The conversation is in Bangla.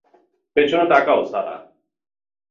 পেছনে তাকাও, সারা।